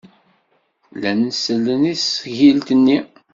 Llan sellen i tesgilt-nni.